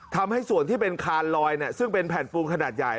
ทำให้ส่วนที่เป็นคานลอยซึ่งเป็นแผ่นปูนขนาดใหญ่